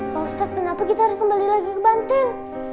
pak ustadz kenapa kita harus kembali lagi ke banten